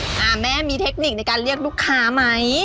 แม่มีเทคนิคในการเรียกลูกค้าไหม